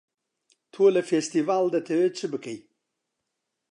تۆ لە فێستیڤاڵ دەتەوێ چ بکەی؟